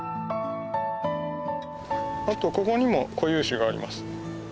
あとここにも固有種があります。